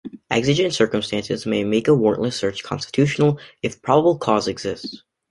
Exigent circumstances may make a warrantless search constitutional if probable cause exists.